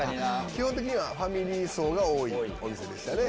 基本的には、ファミリー層が多いお店でしたね。